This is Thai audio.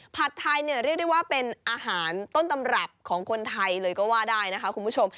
ผัดไทยเนี่ยเรียกได้ว่าเป็นอาหารต้นตำรับของคนไทยเลยก็ว่าได้นะคะคุณผู้ชม